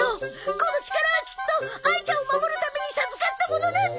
この力はきっとあいちゃんを守るために授かったものなんだ！